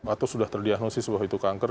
atau sudah terdiagnosis bahwa itu kanker